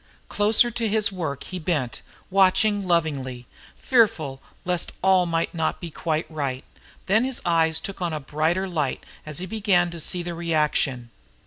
Closer to his work he bent, watching lovingly, fearful least all might not be quite right. Then his eyes took on a brighter light as he began to see the reaction.